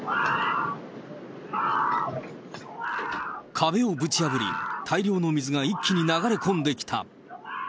壁をぶち破り、大量の水が一気に流れ込んできた。